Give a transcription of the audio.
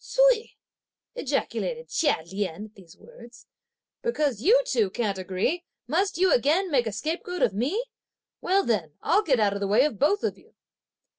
"Ts'ui!" ejaculated Chia Lien at these words, "because you two can't agree, must you again make a scapegoat of me! Well then, I'll get out of the way of both of you!"